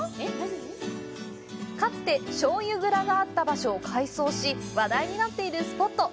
かつて醤油蔵があった場所を改装し話題になっているスポット。